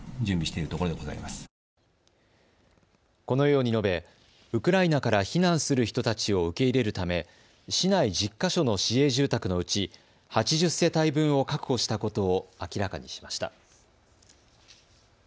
このように述べ、ウクライナから避難する人たちを受け入れるため市内１０か所の市営住宅のうち８０世帯分を確保したことを明らかにしました。